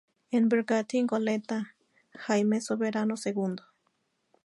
El bergantín goleta "jaime Soberano segundo"